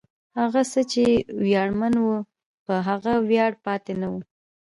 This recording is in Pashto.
هغه څه چې ویاړمن و، په هغه کې ویاړ پاتې نه و.